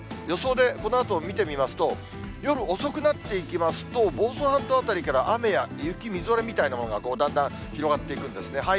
予想でこのあとを見てみますと、夜遅くなっていきますと、房総半島辺りから雨や雪、みぞれみたいなものが、だんだん広がっていくんですね。